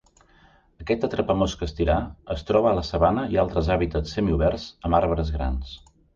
Aquest atrapamosques tirà es troba a la sabana i altres hàbitats semi oberts amb arbres grans.